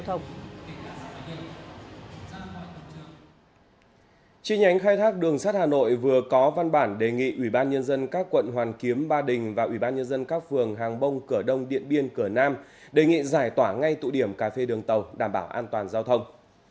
trên nhánh khai thác đường sắt hà nội vừa có văn bản đề nghị ủy ban nhân dân các quận hoàn kiếm ba đình và ủy ban nhân dân các phường hàng bông cửa đông điện biên cửa nam đề nghị giải tỏa ngay tụ điểm cà phê đường tàu đảm bảo an toàn giao thông